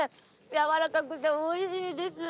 柔らかくておいしいです。